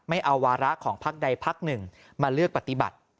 ไม่เอาวาระของพักใดพักหนึ่งมาเลือกปฏิบัติ